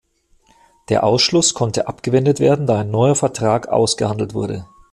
Der Ausschluss konnte abgewendet werden, da ein neuer Vertrag ausgehandelt wurde.